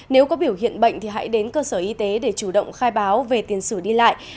nếu có biểu hiện bệnh thì hãy đến cơ sở y tế để chủ động khai báo về tiền sử đi lại